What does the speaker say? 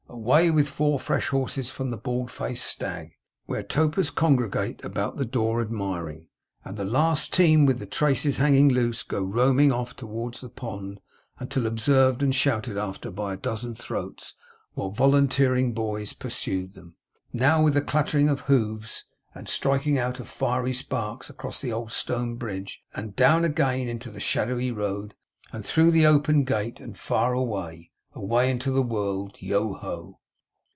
Away with four fresh horses from the Bald faced Stag, where topers congregate about the door admiring; and the last team with traces hanging loose, go roaming off towards the pond, until observed and shouted after by a dozen throats, while volunteering boys pursue them. Now, with a clattering of hoofs and striking out of fiery sparks, across the old stone bridge, and down again into the shadowy road, and through the open gate, and far away, away, into the wold. Yoho!